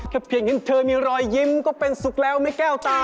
เพียงเห็นเธอมีรอยยิ้มก็เป็นสุขแล้วไม่แก้วตา